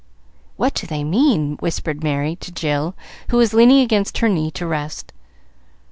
"What do they mean?" whispered Merry to Jill, who was leaning against her knee to rest.